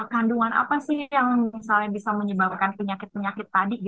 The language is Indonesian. kandungan apa sih yang bisa menyebabkan penyakit penyakit tadi gitu ya